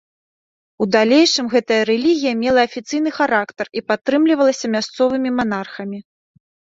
У далейшым гэтая рэлігія мела афіцыйны характар і падтрымлівалася мясцовымі манархамі.